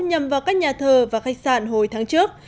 nhằm vào các nhà thờ và khách sạn hồi tháng trước